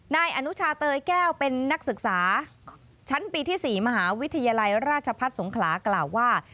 นายอนุชาเตยแก้วเป็นนักศึกษาชั้นปีที่๔มหาวิทยาลัยราชพัฒน์สงขลากล่าวว่า